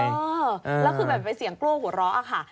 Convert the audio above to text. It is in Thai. เออแล้วคือแบบเป็นเสียงกลัวหัวเราะค่ะ